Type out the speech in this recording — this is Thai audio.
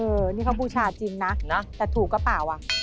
เออนี่คำผู้ชายจริงนะแต่ถูกก็เปล่าอ่ะนะ